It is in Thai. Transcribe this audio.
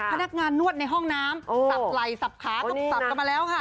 พนักงานนวดในห้องน้ำสับไหล่สับขาก็สับกันมาแล้วค่ะ